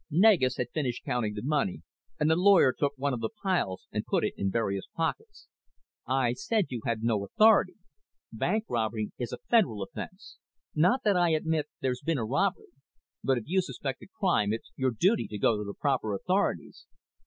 Negus had finished counting the money and the lawyer took one of the piles and put it in various pockets. "I said you had no authority. Bank robbery is a federal offense. Not that I admit there's been a robbery. But if you suspect a crime it's your duty to go to the proper authorities.